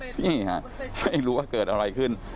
นี่ฮะไม่รู้ว่าเกิดอะไรขึ้น